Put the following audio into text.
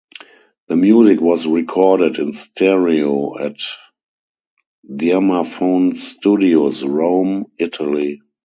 The music was recorded in stereo at Dirmaphon Studios, Rome, Italy.